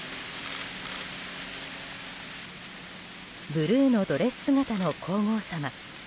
ブルーのドレス姿の皇后さま。